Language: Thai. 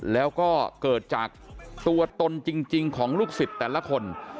แล้วก็เกิดจากตัวตนจริงของลูกศิษย์แต่ละคน